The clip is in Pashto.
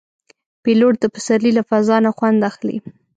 پیلوټ د پسرلي له فضا نه خوند اخلي.